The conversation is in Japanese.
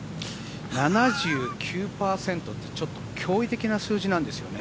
７９％って、ちょっと驚異的な数字なんですよね。